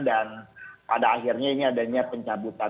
dan pada akhirnya ini adanya pencabutan